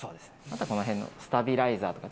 あとはこの辺のスタビライザーとか。